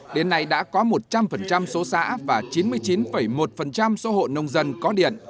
đến nay đã có một trăm linh số xã và chín mươi chín một số hộ nông dân có điện